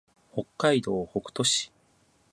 北海道北斗市